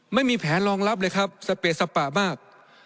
ไม่มีแผนรองรับเลยครับสเปดสปะมาก